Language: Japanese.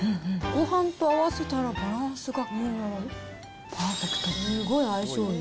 ごはんと合わせたらバランスがパーフェクト。